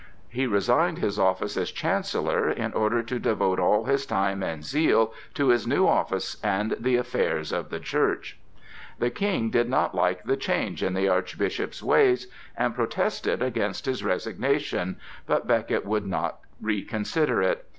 He resigned his office as Chancellor in order to devote all his time and zeal to his new office and the affairs of the Church. The King did not like the change in the Archbishop's ways, and protested against his resignation, but Becket would not reconsider it.